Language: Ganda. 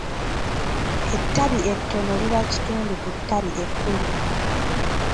Ettabi ettono liba kitundu ku ttabi ekkulu.